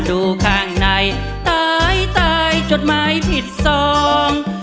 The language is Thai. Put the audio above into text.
ดูข้างในตายตายจดหมายผิดสอง